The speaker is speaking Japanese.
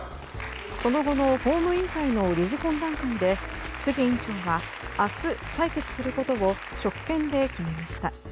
その後の法務委員会の理事懇談会で杉委員長は明日、採決することを職権で決めました。